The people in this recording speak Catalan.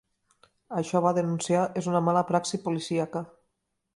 Això, va denunciar, és una mala praxi policíaca.